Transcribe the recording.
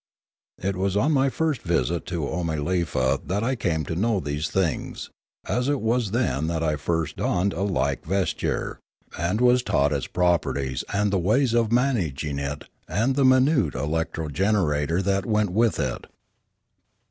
It was on my first visit to Oomalefa that I came to know these things, as it was then that I first donned a like vesture, and was taught its properties and the ways of managing it and the minute electro generator that went with it.